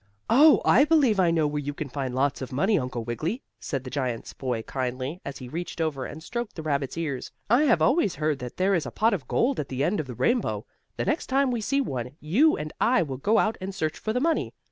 "Oh, I believe I know where you can find lots of money, Uncle Wiggily," said the giant's boy kindly, as he reached over and stroked the rabbit's ears. "I have always heard that there is a pot of gold at the end of the rainbow. The next time we see one, you and I will go out and search for the money.